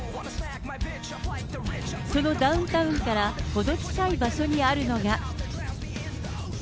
そのダウンタウンから、程近い場所にあるのが。